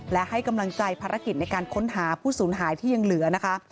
และให้กำลังใจภารกิจในการค้นหาผู้สูญหายที่ยังเหลือนะคะ